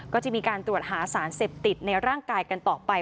ก็จะมีการตรวจหาสารเสพติดในร่างกายกันต่อไป